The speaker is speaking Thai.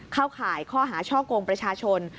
ข่ายข้อหาช่อกงประชาชน